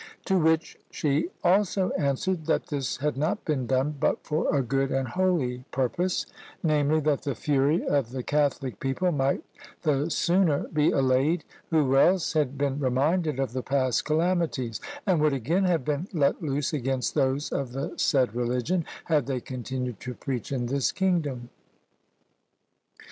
To which she also answered, that this had not been done but for a good and holy purpose; namely, that the fury of the catholic people might the sooner be allayed, who else had been reminded of the past calamities, and would again have been let loose against those of the said religion, had they continued to preach in this kingdom.